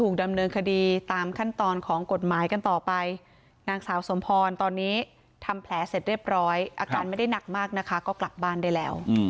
ผมก็ว่าจะไปอาบด้วยนะ